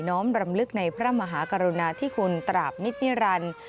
้อมรำลึกในพระมหากรุณาที่คุณตราบนิตนิรันดิ์